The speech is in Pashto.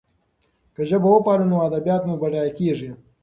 که ژبه وپالو نو ادبیات مو بډایه کېږي.